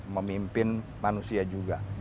memimpin manusia juga